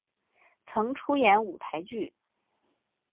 曾演出舞台剧。